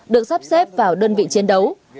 được sắp xếp vào đơn vị chiến đấu